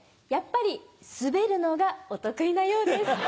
やっぱりスベるのがお得意なようです。